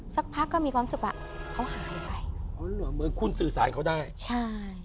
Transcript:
สักพักก็มีความรู้สึกว่าเขาหายไปอ๋อเหรอเหมือนคุณสื่อสารเขาได้ใช่